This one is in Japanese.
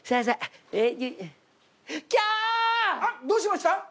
どうしました？